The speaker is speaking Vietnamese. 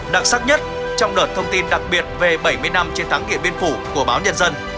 đặc sắc nhất trong đợt thông tin đặc biệt về bảy mươi năm chiến thắng điện biên phủ của báo nhân dân